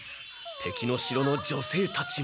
敵の城の女性たちも。